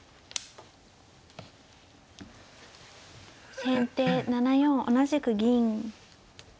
先手７四同じく銀。